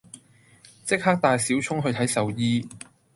即刻帶小聰去睇獸醫